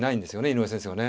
井上先生はね。